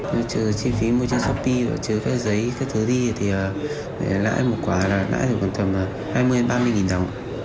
nó trừ chi phí mua chất shopee trừ các giấy các thứ gì thì lãi một quả là lãi khoảng tầm hai mươi ba mươi nghìn đồng